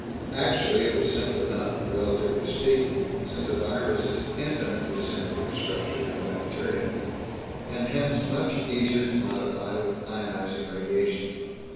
Actually, it was simple enough, relatively speaking, since a virus is infinitely simpler in structure than a bacterium, and hence much easier to modify with ionizing radiation.